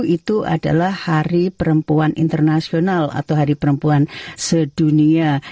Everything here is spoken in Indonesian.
itu adalah hari perempuan internasional atau hari perempuan sedunia